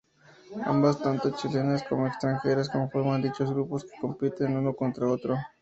Ambas, tanto chilenas como extranjeras conforman dichos grupos que compiten uno contra otro.